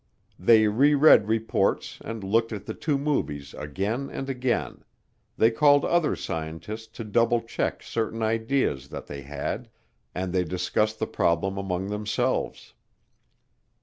They reread reports and looked at the two movies again and again, they called other scientists to double check certain ideas that they had, and they discussed the problem among themselves.